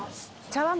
茶わん